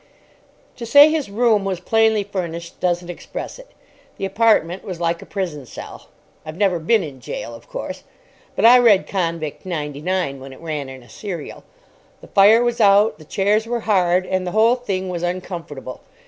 To say his room was plainly furnished doesn't express it. The apartment was like a prison cell. I've never been in gaol, of course. But I read "Convict 99" when it ran in a serial. The fire was out, the chairs were hard, and the whole thing was uncomfortable.